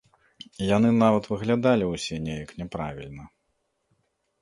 Яны нават выглядалі ўсе неяк няправільна.